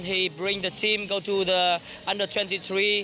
เห็นมั้ย